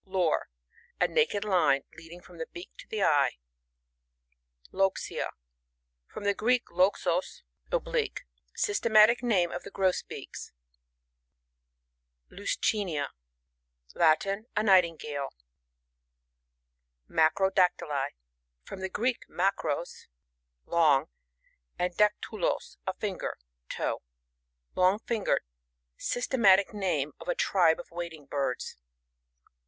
Lore. — A naked line leading from the beak to the eye. LoxiA. — From the Greek, loxos, obb Itque. Systematic name of the Grosbeaks. LnsciNiA.— Latin. A Nightingale. Macrodactyli — From the Greek, mffAros, long, and daktuloti, a finger (toe.) Lonjj fingered. Systematic name of a tribe of Wading birds.